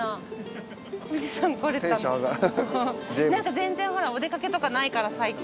全然ほらお出かけとかないから最近。